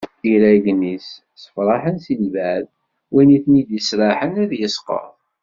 Iraggen-is ssefraḥen si lbaɛd win i ten-id-yesraḥen ad yesqeḍ.